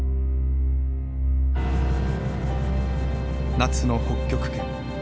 夏の北極圏。